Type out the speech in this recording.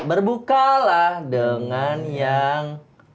berbuka lah dengan yang